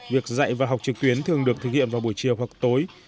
việc dạy và học trực tuyến thường được thực hiện vào buổi chiều hoặc tối